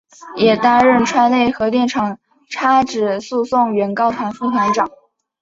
也担任川内核电厂差止诉讼原告团副团长。